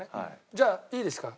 じゃあいいですか？